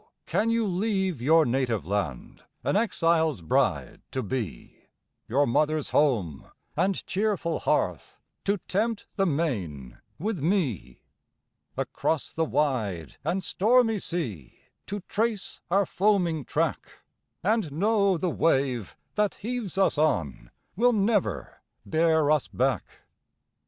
can you leave your native land An exile's bride to be; Your mother's home, and cheerful hearth, To tempt the main with me; Across the wide and stormy sea To trace our foaming track, And know the wave that heaves us on Will never bear us back?